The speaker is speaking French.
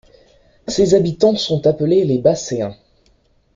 Ses habitants sont appelés les Baxéens.